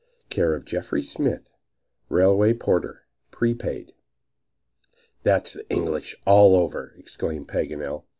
Care of Jeffries Smith, Railway Porter. Prepaid. "That's the English all over!" exclaimed Paganel.